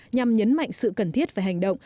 nhằm nhấn mạnh sự cần thiết và hành động